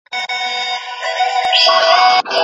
خوشالي مې د دې له امله وه چې زما افکار خلکو ته رسېدلي ول.